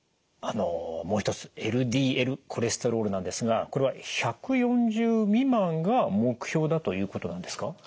あのもう一つＬＤＬコレステロールなんですがこれは１４０未満が目標だということなんですか？